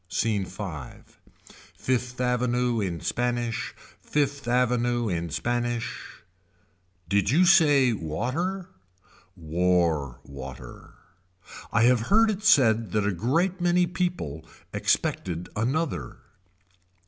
Scene V. Fifth Avenue in Spanish. Fifth Avenue in Spanish. Did you say water. War water. I have heard it said that a great many people expected another.